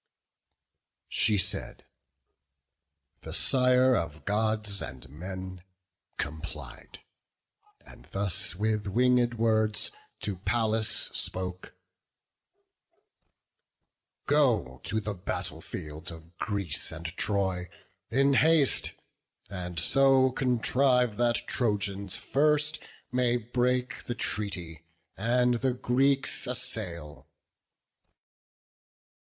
She said: the Sire of Gods and men complied, And thus with winged words to Pallas spoke: "Go to the battle field of Greece and Troy In haste, and so contrive that Trojans first May break the treaty, and the Greeks assail."